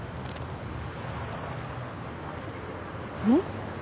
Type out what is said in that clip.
うん？